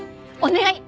お願い。